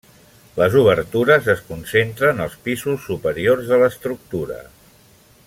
Les obertures es concentren als pisos superiors de l'estructura.